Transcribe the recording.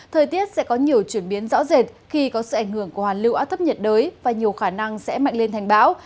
thời tiết sẽ có nhiều chuyển biến rõ rệt khi có sự ảnh hưởng của hoàn lưu áp thấp nhiệt đới và nhiều khả năng sẽ mạnh lên thành bão